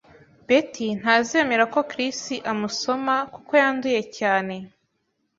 Beth ntazemera ko Chris amusoma kuko yanduye cyane.